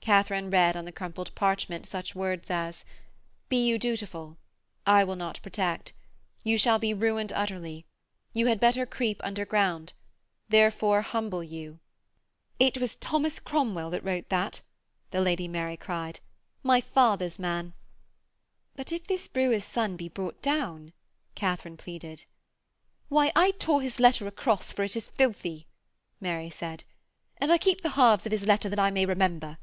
Katharine read on the crumpled parchment such words as: 'Be you dutiful ... I will not protect ... You shall be ruined utterly ... You had better creep underground ... Therefore humble you ...' 'It was Thomas Cromwell wrote that,' the Lady Mary cried. 'My father's man!' 'But if this brewer's son be brought down?' Katharine pleaded. 'Why, I tore his letter across for it is filthy,' Mary said, 'and I keep the halves of his letter that I may remember.